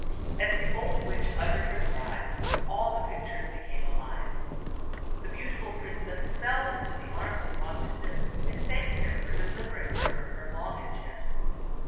As the old witch uttered her cry, all the pict ures became alive. The beautiful princess fell into the arms of Wassersein and thanked him for delivering her from her long enchantment.